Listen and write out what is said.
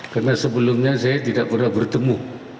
karena sebelumnya saya tidak pernah bertemu